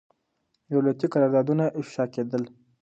دولتي قراردادونه افشا کېدل.